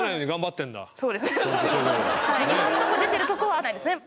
今んとこ出てるとこはないですね